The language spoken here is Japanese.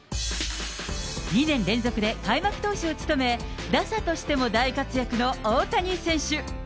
２年連続で開幕投手を務め、打者としても大活躍の大谷選手。